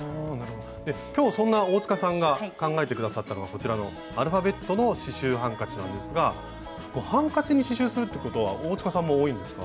今日そんな大塚さんが考えて下さったのはこちらのアルファベットの刺しゅうハンカチなんですがハンカチに刺しゅうするってことは大塚さんも多いんですか？